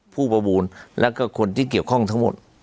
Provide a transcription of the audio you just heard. ผู้ประมูลแล้วก็คนที่เกี่ยวข้องทั้งหมด